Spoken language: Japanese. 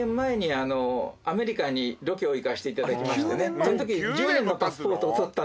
その時。